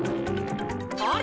あれ？